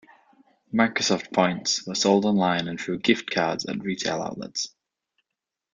Microsoft Points were sold online and through gift cards at retail outlets.